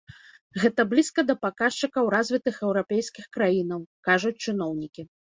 Гэта блізка да паказчыкаў развітых еўрапейскіх краінаў, кажуць чыноўнікі.